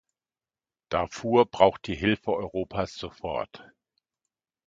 Darfur braucht die Hilfe Europas sofort.